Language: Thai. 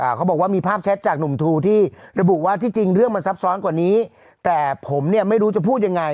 เขาบอกว่ามีภาพแชทจากหนุ่มทูที่ระบุว่าที่จริงเรื่องมันซับซ้อนกว่านี้แต่ผมเนี่ยไม่รู้จะพูดยังไง